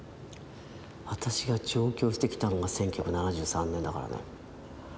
私が上京してきたのが１９７３年だからな。